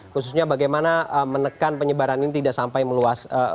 khususnya bagaimana menekan penyebaran ini tidak sampai meluas